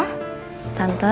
i promise pangeran